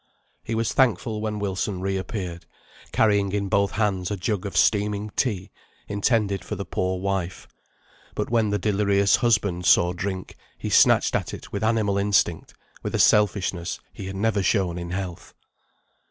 He was thankful when Wilson re appeared, carrying in both hands a jug of steaming tea, intended for the poor wife; but when the delirious husband saw drink, he snatched at it with animal instinct, with a selfishness he had never shown in health.